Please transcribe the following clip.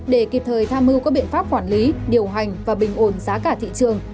để kịp thời tham mưu các biện pháp quản lý điều hành và bình ổn giá cả thị trường